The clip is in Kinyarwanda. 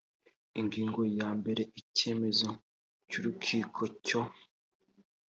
ingingo ya mbere icyemezo cy urukiko cyo